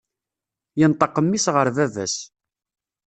Yenṭeq mmi-s ɣer baba-s.